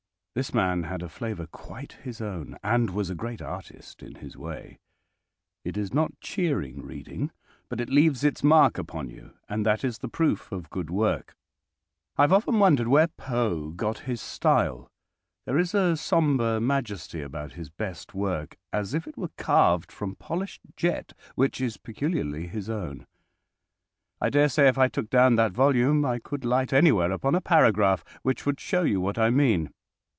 This man had a flavour quite his own, and was a great artist in his way. It is not cheering reading, but it leaves its mark upon you, and that is the proof of good work. I have often wondered where Poe got his style. There is a sombre majesty about his best work, as if it were carved from polished jet, which is peculiarly his own. I dare say if I took down that volume I could light anywhere upon a paragraph which would show you what I mean.